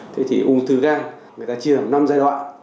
thế thì ung thư gan người ta chia năm giai đoạn